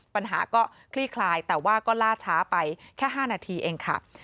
ปัญหาก็คลี่คลายแต่ว่าก็ล่าช้าไปแค่๕นาทีเองค่ะ